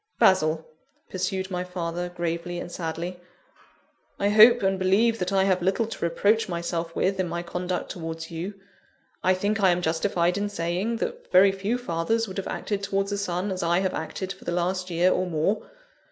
"Basil," pursued my father, gravely and sadly; "I hope and believe that I have little to reproach myself with in my conduct towards you. I think I am justified in saying, that very few fathers would have acted towards a son as I have acted for the last year or more.